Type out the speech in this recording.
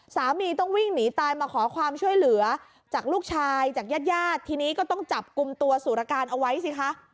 สามีต้องวิ่งหนีตายมาขอความช่วยเหลือจากลูกชายจากญาติญาติทีนี้ก็ต้องจับกลุ่มตัวสุรการเอาไว้สิคะ